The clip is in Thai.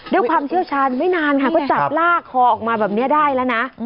ด้วยความเชี่ยวชาญไม่นานค่ะก็จับลากคอออกมาแบบนี้ได้แล้วนะ